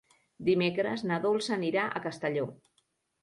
Dimecres na Dolça anirà a Castelló.